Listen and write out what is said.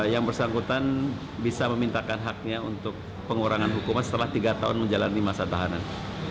yang bersangkutan bisa memintakan haknya untuk pengurangan hukuman setelah tiga tahun menjalani masa tahanan